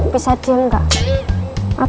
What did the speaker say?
bisa jam gak